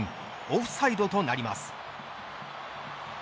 オフサイドとなります。